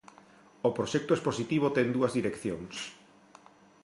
O proxecto expositivo ten dúas direccións.